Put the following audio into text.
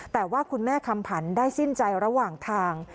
แต่ว่าคุณแม่คำผันได้สิ้นใจระหว่างทาง